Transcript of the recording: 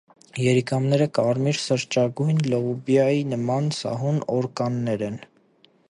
Երիկամները կարմիր սրճագոյն լուբիայի նման, սահուն օրկաններ են։